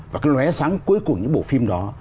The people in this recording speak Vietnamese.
và cái lóe sáng cuối cùng những bộ phim đó